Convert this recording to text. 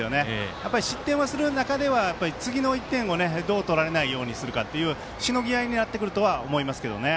やっぱり失点をする中で次の１点をどう取られないようにするかというしのぎ合いになってくるとは思いますけどね。